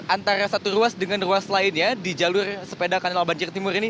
antara satu ruas dengan ruas lainnya di jalur sepeda kanal banjir timur ini